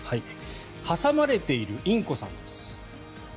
挟まれているインコさんです。